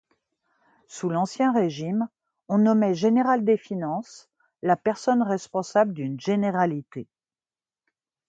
Sous l'Ancien Régime, on nommait général des finances la personne responsable d'une généralité.